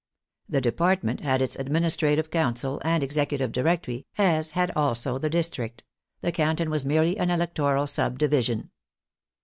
The department had its administrative council and executive directory, as had also the district; the canton was merely an electoral sub division.